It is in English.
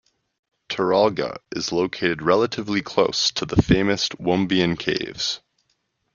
Taralga is located relatively close to the famous Wombeyan Caves.